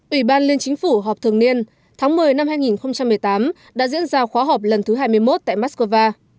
ủy ban liên chính phủ họp thường niên tháng một mươi năm hai nghìn một mươi tám đã diễn ra khóa họp lần thứ hai mươi một tại moscow